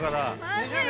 ２０秒。